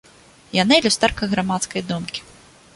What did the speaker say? Яны люстэрка грамадскай думкі.